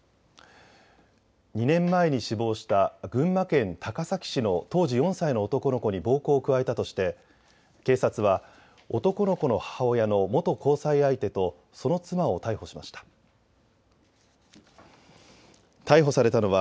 ２年前に死亡した群馬県高崎市の当時４歳の男の子に暴行を加えたとして警察は男の子の母親の元交際相手とその妻を逮捕しました。